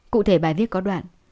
cụ thể bài viết có đoạn